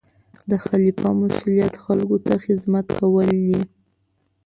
د خلیفه مسؤلیت خلکو ته خدمت کول دي.